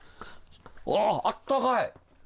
ああったかい。